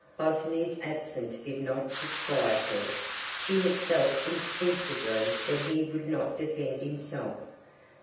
Bosinney's absence did not disquiet her; she had felt instinctively that he would not defend himself.